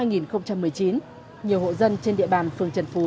nhiều hộ dân trên địa bàn phường trần phú